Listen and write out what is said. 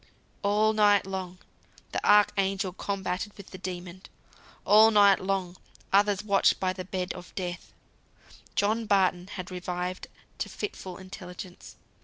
All night long, the Archangel combated with the Demon. All night long, others watched by the bed of Death. John Barton had revived to fitful intelligence.